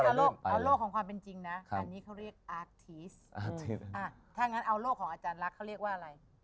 เอาโลกของความเป็นจริงนะอันนี้เขาเรียกอาร์คทีสถ้างั้นเอาโลกของอาจารย์ลักษ์เขาเรียกว่าอะไร